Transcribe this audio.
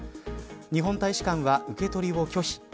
日本大使館は受け取りを拒否。